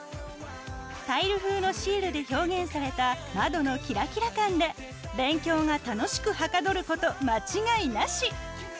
タイル風のシールで表現された窓のキラキラ感で勉強が楽しくはかどること間違いなし！